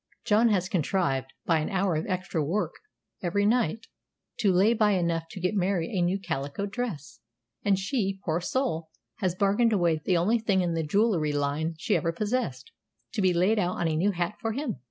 John has contrived, by an hour of extra work every night, to lay by enough to get Mary a new calico dress; and she, poor soul, has bargained away the only thing in the jewelry line she ever possessed, to be laid out on a new hat for him.